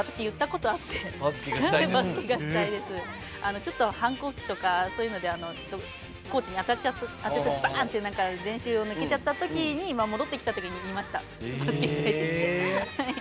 ちょっと、反抗期とかそういうのでコーチに当たっちゃって練習を抜けちゃったときに戻ってきたときに言いました「バスケしたい」って。